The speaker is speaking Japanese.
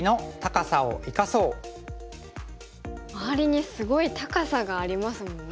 周りにすごい高さがありますもんね。